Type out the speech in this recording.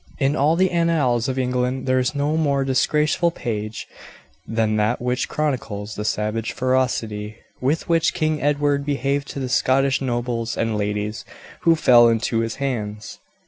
In all the annals of England there is no more disgraceful page than that which chronicles the savage ferocity with which King Edward behaved to the Scottish nobles and ladies who fell into his hands.